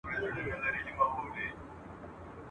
باسواده مور د ټولني مهمه برخه ده.